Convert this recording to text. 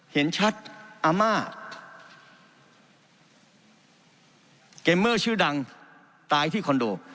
เห็นชัดอาม่าเกมเมอร์ชื่อดังตายที่คอนโด